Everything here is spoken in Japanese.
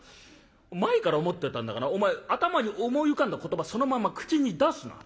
前から思ってたんだがなお前頭に思い浮かんだ言葉そのまんま口に出すな。